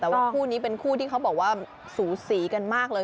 แต่ว่าคู่นี้เป็นคู่ที่เขาบอกว่าสูสีกันมากเลย